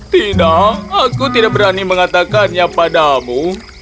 tidak aku tidak berani mengatakannya padamu